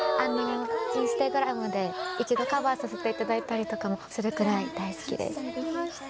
インスタグラムで一度カバーさせていただいたりとかもするくらい大好きです。